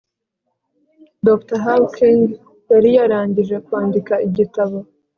Dr Hawking yari yarangije kwandika igitabo